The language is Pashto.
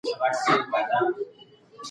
خبریال په سیمه کې د ویډیو په ثبتولو بوخت دی.